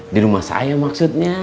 di rumah saya maksudnya